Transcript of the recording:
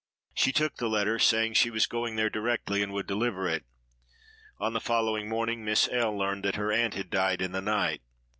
She took the letter, saying she was going there directly, and would deliver it. On the following morning Miss L—— learned that her aunt had died in the night.